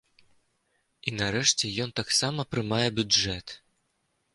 І, нарэшце, ён таксама прымае бюджэт.